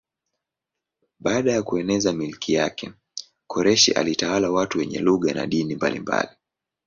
Baada ya kueneza milki yake Koreshi alitawala watu wenye lugha na dini mbalimbali.